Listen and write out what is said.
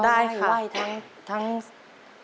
ก็ได้ไหว่ทั้งมีพระด้วยเนอะ